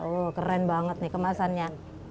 oh keren banget nih kemasannya